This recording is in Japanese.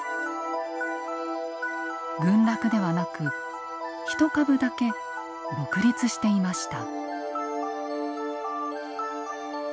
群落ではなく一株だけ独立していました。